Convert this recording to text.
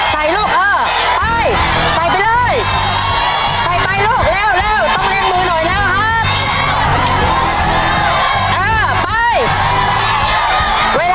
ไปลูกเออไปไปไปเลยไปไปลูกเร็วเร็ว